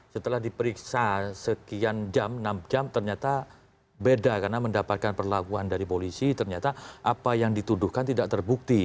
setelah diperiksa sekian jam enam jam ternyata beda karena mendapatkan perlakuan dari polisi ternyata apa yang dituduhkan tidak terbukti